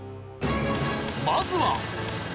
まずは。